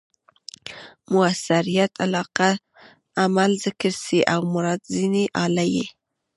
مؤثریت علاقه؛ عمل ذکر سي او مراد ځني آله يي.